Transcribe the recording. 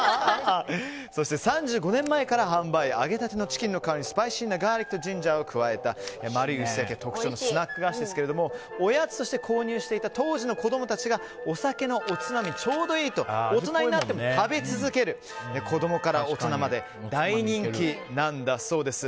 そして３５年前から販売揚げたてのチキンの香りにスパイシーなガーリックのジンジャーを加えたスナック菓子ですがおやつとして購入していた当時の子供たちがお酒のおつまみにちょうどいいと大人になっても食べ続ける子供から大人まで大人気なんだそうです。